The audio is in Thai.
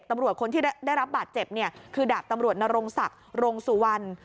ตำรวจคนที่ได้รับบาดเจ็บเนี่ยคือดาบตำรวจนรงศักดิ์รงสุวรรณ